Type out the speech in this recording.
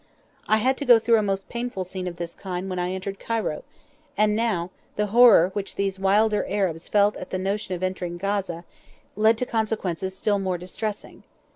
I had to go through a most painful scene of this kind when I entered Cairo, and now the horror which these wilder Arabs felt at the notion of entering Gaza led to consequences still more distressing.